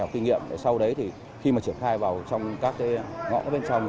các cái kinh nghiệm để sau đấy thì khi mà triển khai vào trong các cái ngõ bên trong